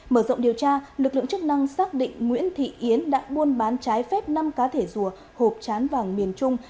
mở rộng điều tra lực lượng chức năng xác định nguyễn thị yến đã buôn bán trái phép năm cá thể rùa hộp chán vàng miền trung